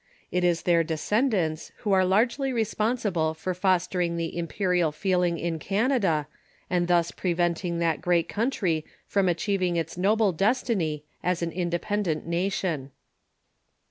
It is their descendants who are largely responsible for fostering the imperial feeling in Canada, and thus preventing that great country from achieving its noble destiny as an independent nation.